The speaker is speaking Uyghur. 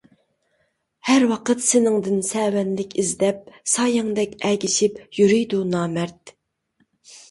ھەر ۋاقىت سېنىڭدىن سەۋەنلىك ئىزدەپ، سايەڭدەك ئەگىشىپ يۈرىدۇ نامەرد.